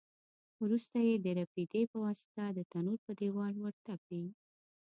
وروسته یې د رپېدې په واسطه د تنور په دېوال ورتپي.